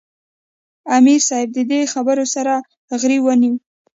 " امیر صېب د دې خبرو سره غرېو ونیوۀ ـ